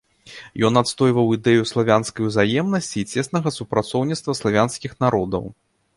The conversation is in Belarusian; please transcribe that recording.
Ён адстойваў ідэю славянскай узаемнасці і цеснага супрацоўніцтва славянскіх народаў.